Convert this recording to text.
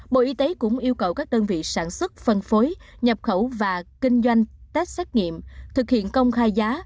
bộ y tế cũng yêu cầu các đơn vị sản xuất phân phối nhập khẩu và kinh doanh test xét nghiệm thực hiện công khai giá